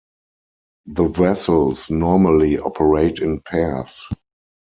The vessels normally operate in pairs.